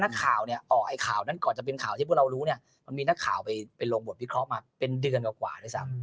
ข่าวเนี่ยออกไอ้ข่าวนั้นก่อนจะเป็นข่าวที่พวกเรารู้เนี่ยมันมีนักข่าวไปลงบทวิเคราะห์มาเป็นเดือนกว่าด้วยซ้ำ